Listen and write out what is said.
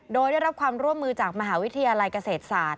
โดยได้รับความร่วมมือจากมหาวิทยาลัยเกษตรศาสตร์